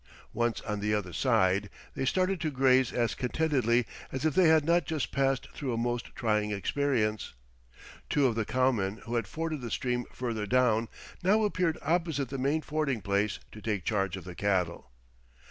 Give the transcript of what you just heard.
Once on the other side they started to graze as contentedly as if they had not just passed through a most trying experience. Two of the cowmen who had forded the stream further down, now appeared opposite the main fording place, to take charge of the cattle.